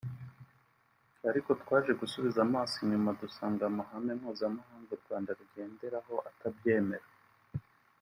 ariko twaje gusubiza amaso inyuma dusanga amahame mpuzamahanga u Rwanda rugenderaho atabyemera